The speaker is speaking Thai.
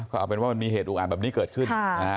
ก็เอาเป็นว่ามันมีเหตุอุกอาจแบบนี้เกิดขึ้น